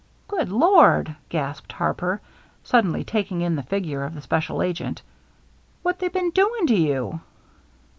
" Good Lord !" gasped Harper, suddenly taking in the figure of the special agent. " What they been doing to you